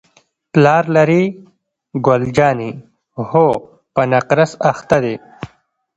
پلار لرې؟ ګل جانې: هو، په نقرس اخته دی.